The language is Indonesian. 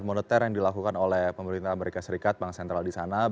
jadi pengetatan moneter yang dilakukan oleh pemerintah amerika serikat bank sentral di sana